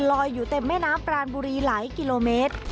อยู่เต็มแม่น้ำปรานบุรีหลายกิโลเมตร